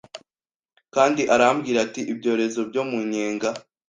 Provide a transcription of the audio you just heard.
Kandi arambwira ati Ibyorezo byo mu nyenga